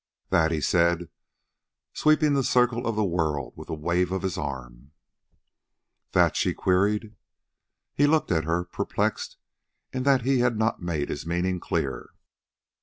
"That," he said, sweeping the circle of the world with a wave of his arm. "That?" she queried. He looked at her, perplexed in that he had not made his meaning clear.